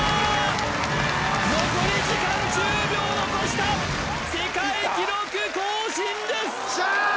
残り時間１０秒残した世界記録更新です！いった？